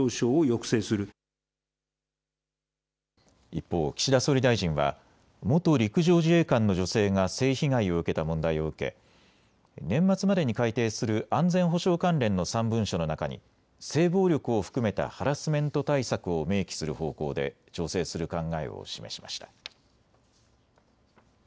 一方、岸田総理大臣は元陸上自衛官の女性が性被害を受けた問題を受け年末までに改定する安全保障関連の３文書の中に性暴力を含めたハラスメント対策を明記する方向で調整する考えを示しました。